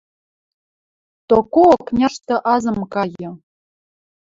Токо окняшты азым кайы